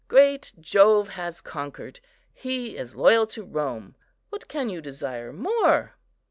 Great Jove has conquered! he is loyal to Rome; what can you desire more?